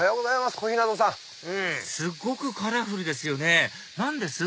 すっごくカラフルですよね何です？